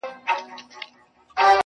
يې ه ځكه مو په شعر كي ښكلاگاني دي.